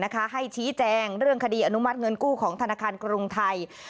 ให้ชี้แจงเรื่องคดีอนุมัติเงินกู้ของธนาคารกรุงไทย